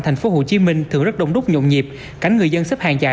tp hcm thường rất đông đúc nhộn nhịp cảnh người dân xếp hàng dài